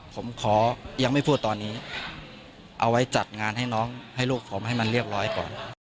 ผมขอยังไม่พูดตอนนี้เอาไว้จัดงานให้น้องให้ลูกผมให้มันเรียบร้อยก่อน